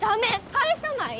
帰さない！